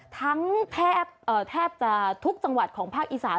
แทบจะทุกจังหวัดของภาคอีสาน